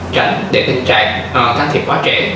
tránh để tình trạng thang thiệp quá trễ